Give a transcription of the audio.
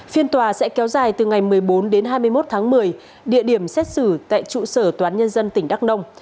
phiên tòa sẽ kéo dài từ ngày một mươi bốn đến hai mươi một tháng một mươi địa điểm xét xử tại trụ sở tòa án nhân dân tỉnh đắk nông